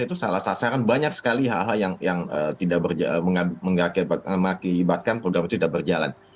itu salah sasaran banyak sekali yang mengakibatkan program itu tidak berjalan